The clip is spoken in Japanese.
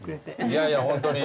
いやいやホントに。